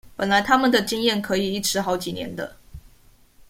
本來他們的經驗可以一吃好幾年的